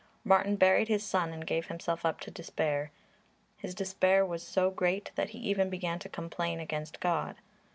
Martin buried his son and gave himself up to despair. His despair was so great that he even began to complain against God.